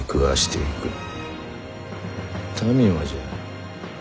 民もじゃ。